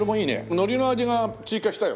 海苔の味が追加したよ。